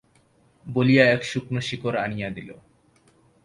বলিয়া এক শুকনো শিকড় আনিয়া দিল।